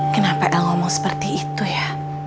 kenapa ada ngomong seperti itu ya